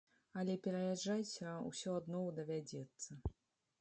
Але пераязджаць усё адно давядзецца.